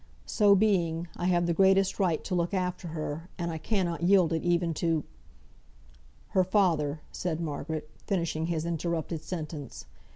So being, I have the greatest right to look after her, and I cannot yield it even to " "Her father," said Margaret, finishing his interrupted sentence.